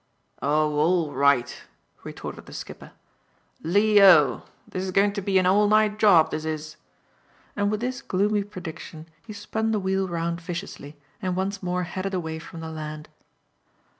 "Oh, all right!" retorted the skipper, "Lee O! This is going to be an all night job, this is," and with this gloomy prediction, he spun the wheel round viciously, and once more headed away from the land.